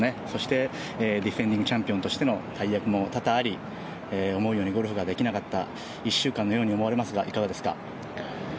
そしてディフェンディングチャンピオンとしての大役も多々あり思うようにゴルフができなかった１週間のように思われますが、いかがですか？